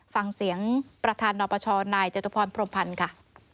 ฟังเสียงประธานนปชนายจตุพรพรมพันธ์ค่ะ